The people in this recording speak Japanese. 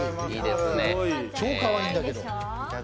超かわいいんだけど。